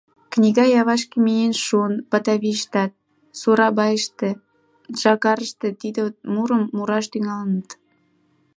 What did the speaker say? Книга Явашке миен шуын, Батавийыштат, Сурабайяште, Джакартыште тиде мурым мураш тӱҥалыныт.